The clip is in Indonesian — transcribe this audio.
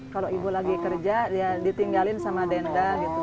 kalau ibu lagi kerja ya ditinggalin sama denda gitu